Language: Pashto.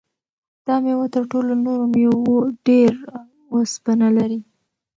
دا مېوه تر ټولو نورو مېوو ډېر اوسپنه لري.